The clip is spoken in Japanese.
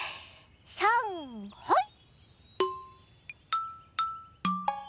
さんはい！